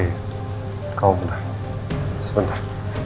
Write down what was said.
hai kau bentar bentar